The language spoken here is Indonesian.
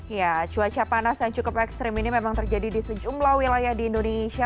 ya cuaca panas yang cukup ekstrim ini memang terjadi di sejumlah wilayah di indonesia